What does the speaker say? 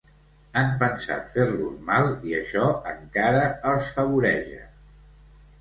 Han pensat fer-los mal, i això encara els favoreja.